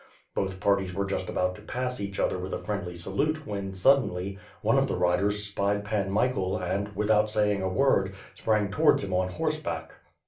Both parties were just about to pass each other with a friendly salute when suddenly, one of the riders spied Pan Michael and, without saying a word, sprang towtirds him on horseback.